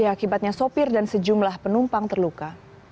akibatnya sopir dan sejumlah penumpang terluka